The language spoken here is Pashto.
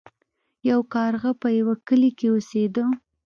یو کارغه په یوه کلي کې اوسیده.